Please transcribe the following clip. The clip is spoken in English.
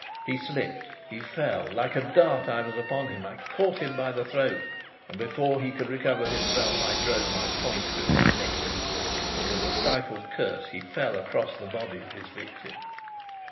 He slipped; he fell. Like a dart I was upon him. I caught him by the throat, and before he could recover himself I drove my point through his neck, and with a stifled curse he fell across the body of his victim.